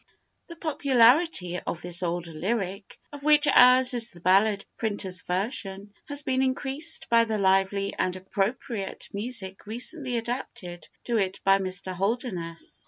[THE popularity of this old lyric, of which ours is the ballad printer's version, has been increased by the lively and appropriate music recently adapted to it by Mr. Holderness.